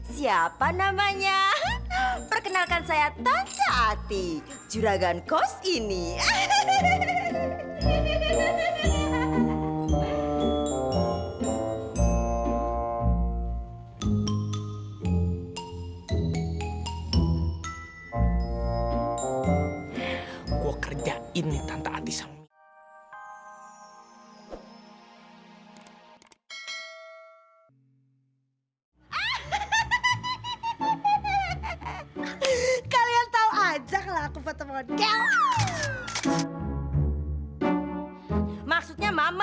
sampai jumpa di video selanjutnya